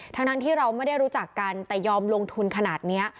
ทั้งที่เราไม่ได้รู้จักกันแต่ยอมลงทุนขนาดนี้